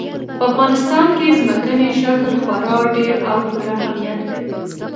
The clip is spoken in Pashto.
په افغانستان کې ځمکنی شکل خورا ډېر او پوره اهمیت لري.